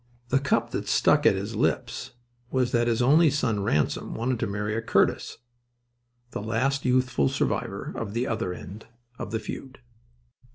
The cup that stuck at his lips was that his only son Ransom wanted to marry a Curtis, the last youthful survivor of the other end of the feud.